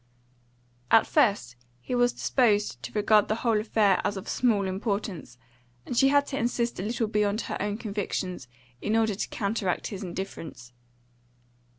At first he was disposed to regard the whole affair as of small importance, and she had to insist a little beyond her own convictions in order to counteract his indifference.